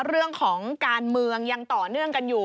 เรื่องของการเมืองยังต่อเนื่องกันอยู่